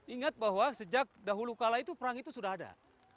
ingat bahwa sejak dahulu kala itu perang itu sudah ada